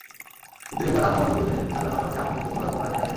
কিন্তু এবার আবহাওয়া অনুকূলে থাকার পাশাপাশি আমন খেতে কোনো রোগবলাই দেখা দেয়নি।